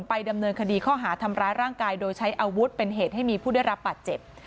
ดำเนินคดีข้อหาทำร้ายร่างกายโดยใช้อาวุธเป็นเหตุให้มีผู้ได้รับบาดเจ็บ